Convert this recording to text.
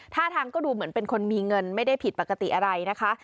ท่าทางก็ดูเหมือนเป็นคนมีเงินไม่ได้ผิดปกติอะไรนะคะ